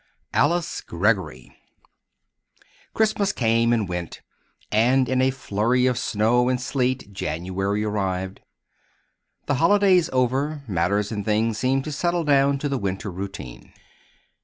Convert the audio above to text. ALICE GREGGORY Christmas came and went; and in a flurry of snow and sleet January arrived. The holidays over, matters and things seemed to settle down to the winter routine.